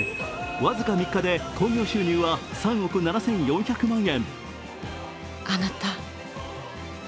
僅か３日で興行収入は３億７４００万円。